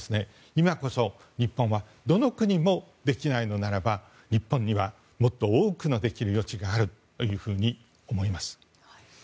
今こそ日本はどの国もできないのであれば日本にはもっと多くのできる余地があると思います。